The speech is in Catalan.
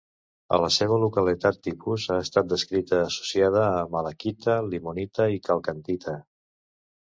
A la seva localitat tipus ha estat descrita associada a malaquita, limonita i calcantita.